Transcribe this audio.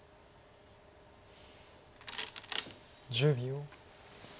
１０秒。